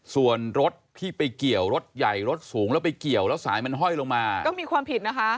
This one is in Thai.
ส่วนรถที่ไปเกี่ยวรถใหญ่รถสูงแล้วไปเกี่ยวแล้วสายมันห้อยลงมาก็มีความผิดนะคะ